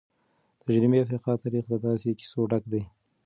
د جنوبي افریقا تاریخ له داسې کیسو ډک دی.